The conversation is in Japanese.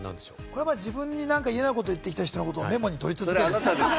自分に嫌なことを言ってきた人のことをメモを取り続ける。